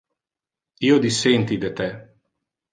Io dissenti de te.